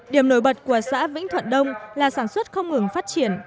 điểm nổi bật của xã vĩnh thuận đông là sản xuất không ngừng phát triển